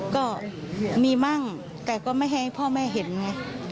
ก็มีมั่งแต่ก็ไม่ให้พ่อแม่เห็นไง